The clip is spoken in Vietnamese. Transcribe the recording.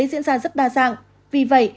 diễn ra rất đa dạng vì vậy